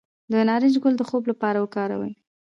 د نارنج ګل د خوب لپاره وکاروئ